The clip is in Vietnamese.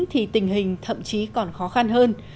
thì tình hình thậm chí còn khó khăn hơn